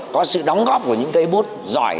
có sự đóng góp của những cây bút giỏi